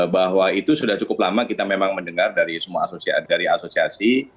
bahwa itu sudah cukup lama kita memang mendengar dari asosiasi